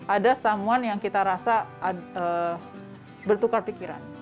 ada somewan yang kita rasa bertukar pikiran